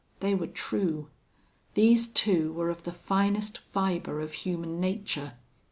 They were true. These two were of the finest fiber of human nature.